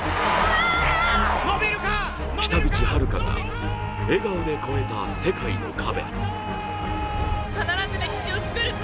北口榛花が笑顔で超えた世界の壁。